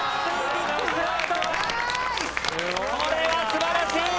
これはすばらしい！